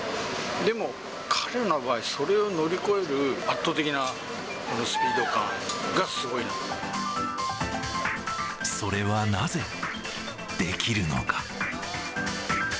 でも、彼の場合、それを乗り越える圧倒的なスピード感がすごい。それはなぜできるのか。